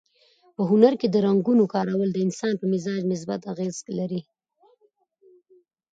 په هنر کې د رنګونو کارول د انسان په مزاج مثبت اغېز لري.